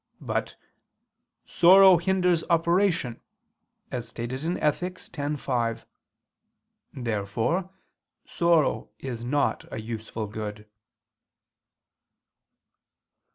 But "sorrow hinders operation," as stated in Ethic. x, 5. Therefore sorrow is not a useful good.